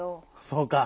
そうか。